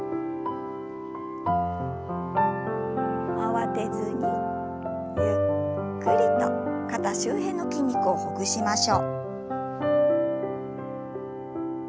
慌てずにゆっくりと肩周辺の筋肉をほぐしましょう。